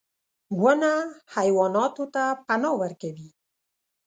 • ونه حیواناتو ته پناه ورکوي.